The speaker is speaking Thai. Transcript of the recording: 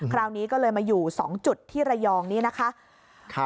คราวนี้ก็เลยมาอยู่๒จุดที่ระยองนี้นะคะ